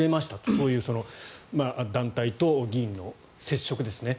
そういう団体と議員の接触ですね。